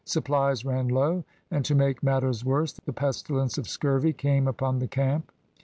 SuppHes ran low, and to make matters worse the pestilence of scurvy came upon the camp.